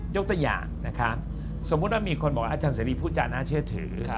ยกตัวอย่างสมมติว่ามีคนบอกอัจฉันเศรียวะพูดจ้าน่าเชื่อถือ